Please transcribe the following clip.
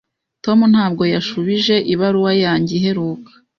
Tom ntabwo yashubije ibaruwa yanjye iheruka.